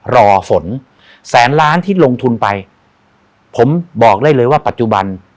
รอฝนแสนล้านที่ลงทุนไปผมบอกได้เลยว่าปัจจุบัน